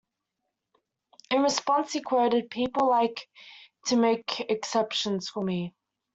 In response, he quoted: People like to make exceptions for me.